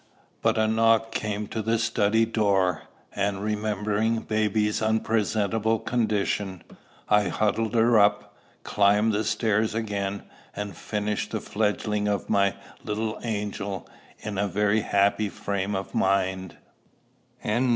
But a knock came to the study door; and, remembering baby's unpresentable condition, I huddled her up, climbed the stair again, and finished the fledging of my little angel in a very happy frame of mind.